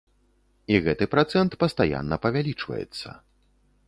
І гэты працэнт пастаянна павялічваецца.